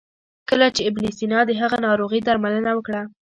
کله چې ابن سینا د هغه ناروغي درملنه وکړه.